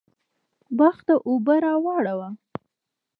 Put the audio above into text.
باغ ته اوبه راواړوه